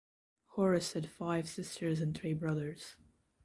Horace had five sisters and three brothers.